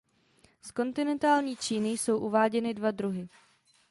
Z kontinentální Číny jsou uváděny dva druhy.